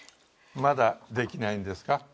まだできないんですか？